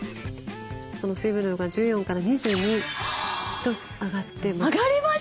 水分量が１４から２２と上がってます。